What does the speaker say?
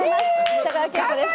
北川景子です。